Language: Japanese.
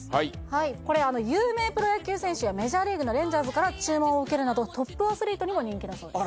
これ有名プロ野球選手やメジャーリーグのレンジャーズから注文を受けるなどトップアスリートにも人気だそうです